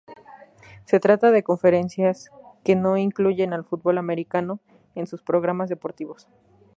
Se trata de conferencias que no incluyen al fútbol americano en sus programas deportivos.